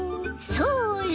それ！